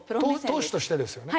投手としてですよね？